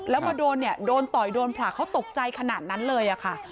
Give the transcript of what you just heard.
แล้วมาโดนเนี่ยโดนต่อยโดนผลักเขาตกใจขนาดนั้นเลยอะค่ะ